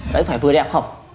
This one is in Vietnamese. đấy phải vừa đẹp không